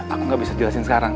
aku gak bisa jelasin sekarang